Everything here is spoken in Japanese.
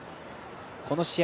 この試合